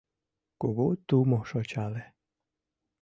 Кугу тумо шочале.